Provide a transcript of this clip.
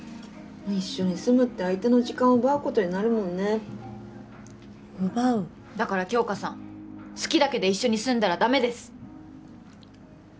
一緒に住むって相手の時間を奪うことになるもんね奪うだから杏花さん「好き」だけで一緒に住んだらダメです